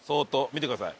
見てください。